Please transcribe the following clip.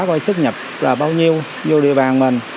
coi sức nhập là bao nhiêu vô địa bàn mình